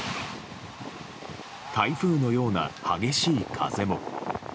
台風のような激しい風も。